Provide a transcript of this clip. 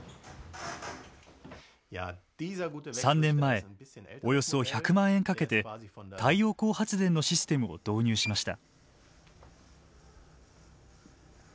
３年前およそ１００万円かけて太陽光発電のシステムを導入しました。